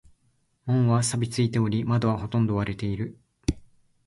門は錆びついており、窓はほとんど割れている。